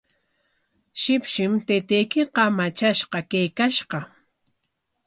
Shipshim taytaykiqa matrashqa kaykashqa.